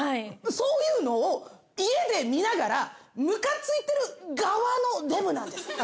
そういうのを家で見ながらムカついてる側のデブなんですよ。